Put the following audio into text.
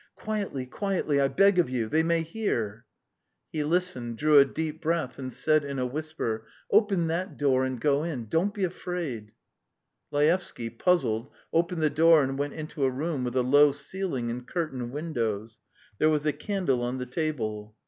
"Quietly, quietly, I beg you ... they may hear." He listened, drew a deep breath and said in a whisper: "Open that door, and go in ... don't be afraid." Laevsky, puzzled, opened the door and went into a room with a low ceiling and curtained windows. There was a candle on the table.